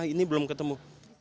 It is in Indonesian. ini belum ketemu